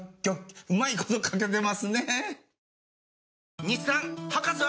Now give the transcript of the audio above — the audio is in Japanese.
うまいこと書けてますね。